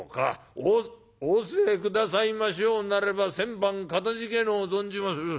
おおお教え下さいましょうなれば千万かたじけのう存じまする』。